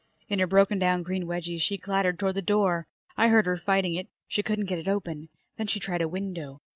In her broken down green wedgies she clattered toward the door. I heard her fighting it. She couldn't get it open. Then she tried a window.